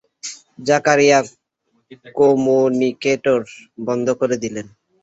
Zakaria communicator বন্ধ করে দিলেন।